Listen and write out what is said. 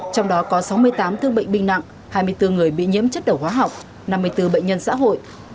trong đó có sáu mươi tám thương bệnh binh nặng hai mươi bốn người bị nhiễm chất đầu hóa học năm mươi bốn bệnh nhân xã hội